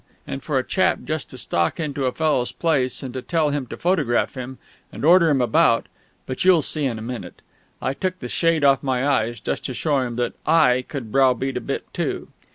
And for a chap just to stalk into a fellow's place, and tell him to photograph him, and order him about ... but you'll see in a minute. I took the shade off my eyes, just to show him that I could browbeat a bit too.